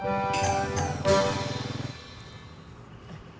tidak ada yang naksir